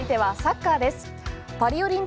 さあ続いてはサッカーです。